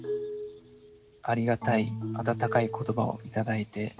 ありがたい温かい言葉を頂いて。